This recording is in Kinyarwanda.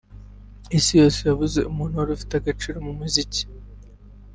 isi yose yabuze umuntu wari ufite agaciro mu muziki…